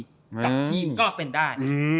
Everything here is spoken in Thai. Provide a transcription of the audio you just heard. กับทีมก็เป็นได้